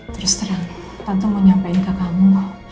terus terang tante mau nyampein ke kamu